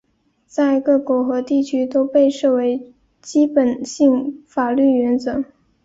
在各国和地区都被视为基本性法律原则。